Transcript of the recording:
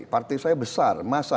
partai saya besar masa